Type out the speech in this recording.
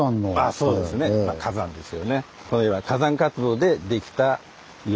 そうですね火山ですよね。